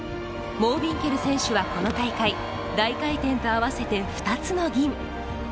モービンケル選手はこの大会大回転と合わせて２つの銀。